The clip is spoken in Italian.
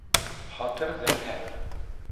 Hotter than Hell